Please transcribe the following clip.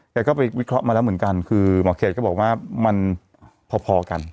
แกก็ไปวิเคราะห์มาแล้วเหมือนกันคือหมอเขตก็บอกว่ามันพอกัน